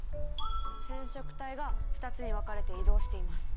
染色体が２つに分かれて移動しています。